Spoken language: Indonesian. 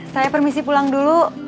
saya permisi pulang dulu